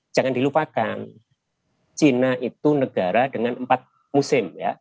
jangan dilupakan cina itu negara dengan empat musim